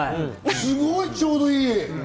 すごいちょうどいい。